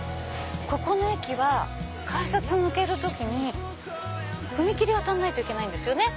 ここの駅は改札抜ける時に踏切渡んないといけないんですよね。